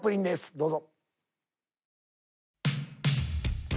どうぞ。